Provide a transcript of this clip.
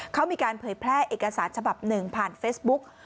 เขามีการเผยแพร่เอกสารฉบับหนึ่งผ่านเฟซบุ๊ก